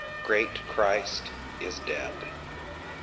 GREAT CHRIST IS DEAD (1875.)